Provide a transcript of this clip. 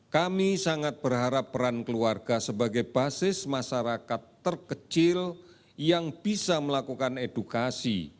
kami sangat berharap peran keluarga sebagai basis masyarakat terkecil yang bisa melakukan edukasi